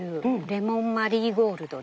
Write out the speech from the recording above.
レモンマリーゴールド？